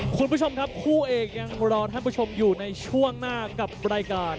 คุณผู้ชมครับคู่เอกยังรอท่านผู้ชมอยู่ในช่วงหน้ากับรายการ